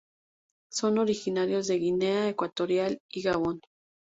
Son originarios de Guinea Ecuatorial y Gabón.